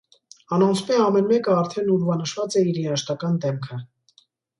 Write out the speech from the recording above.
Անոնցմէ ամէն մէկը արդէն ուրուանշած է իր երաժշտական «դէմք»ը։